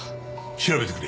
調べてくれ。